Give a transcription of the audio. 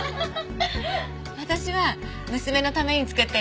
私は娘のために作ってるの。